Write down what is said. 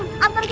gak ada aja